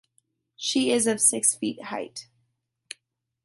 She is of six feet height.